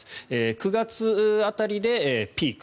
９月辺りでピーク